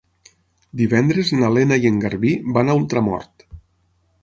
Divendres na Lena i en Garbí van a Ultramort.